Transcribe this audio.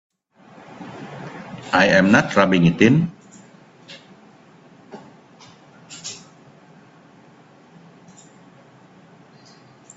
I'm not rubbing it in.